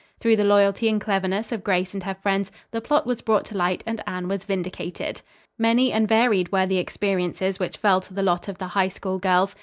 Through the loyalty and cleverness of Grace and her friends, the plot was brought to light and Anne was vindicated. Many and varied were the experiences which fell to the lot of the High School girls.